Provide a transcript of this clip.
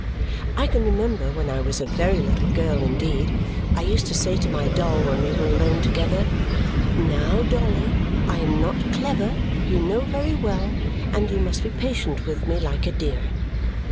I can remember, when I was a very little girl indeed, I used to say to my doll when we were alone together, "Now, Dolly, I am not clever, you know very well, and you must be patient with me, like a dear!"